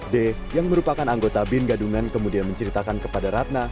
d yang merupakan anggota bin gadungan kemudian menceritakan kepada ratna